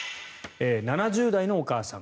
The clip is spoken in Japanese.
７０代のお母さん